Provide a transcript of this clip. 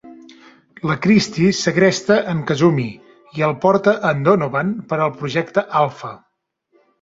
La Christie segresta en Kasumi i el porta a en Donovan per al Projecte Alfa.